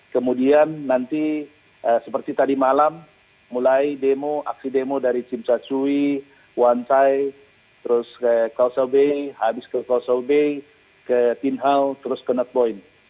kemudian nanti seperti tadi malam mulai demo aksi demo dari tsim sha tsui wan chai terus ke khao sau bay habis ke khao sau bay ke tin hao terus ke north point